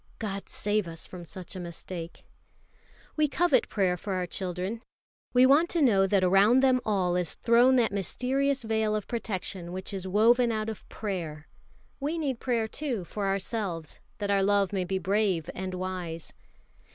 God save us from such mistake! We covet prayer for our children. We want to know that around them all is thrown that mysterious veil of protection which is woven out of prayer. We need prayer, too, for ourselves, that our love may be brave and wise.